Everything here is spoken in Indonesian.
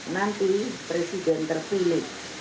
nanti presiden terpilih